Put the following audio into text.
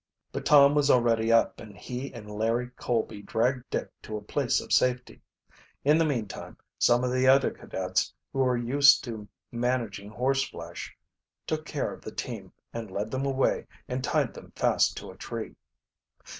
But Tom was already up, and he and Larry Colby dragged Dick to a place of safety. In the meantime some of the other cadets who were used to managing horseflesh took care of the team and led them away and tied them fast to a tree.